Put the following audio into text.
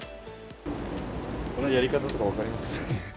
これ、やり方とか分かります？